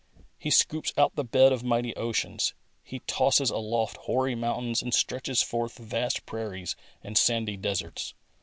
He scoops out the bed of mighty oceans. He tosses aloft hoary mountains and stretches forth vast prairies and sandy deserts.